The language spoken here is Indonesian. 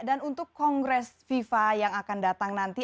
dan untuk kongres fifa yang akan datang nanti